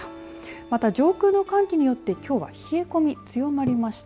また上空の寒気によってきょうは冷え込みが強まりました。